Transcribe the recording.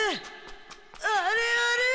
あれあれ？